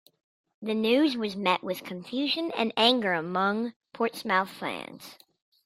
The news was met with confusion and anger among Portsmouth fans.